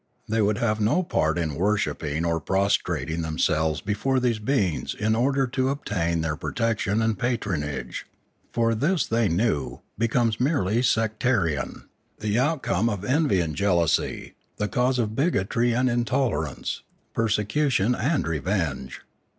They would have no part in worshipping or prostrating themselves before these beings iu order to obtain their protection and patron age; for this, they knew, becomes merely sectarian, the 626 Limanora outcome of envy and jealousy, the cause of bigotry and intolerance, persecution and revenge.